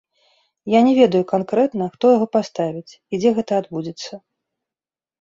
Я не ведаю канкрэтна, хто яго паставіць і дзе гэта адбудзецца.